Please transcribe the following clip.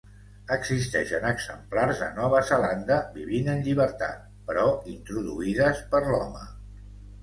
Existeixen exemplars a Nova Zelanda vivint en llibertat, però introduïdes per l'home.